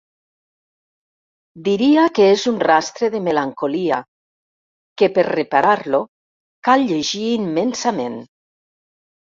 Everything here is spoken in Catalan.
Diria que és un rastre de melancolia, que per reparar-lo cal llegir immensament.